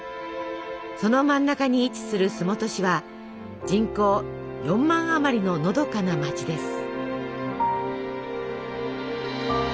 その真ん中に位置する洲本市は人口４万あまりののどかな街です。